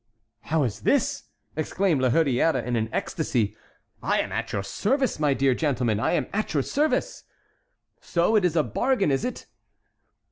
"How is this?" exclaimed La Hurière in an ecstasy. "I am at your service, my dear gentleman; I am at your service." "So it is a bargain, is it?"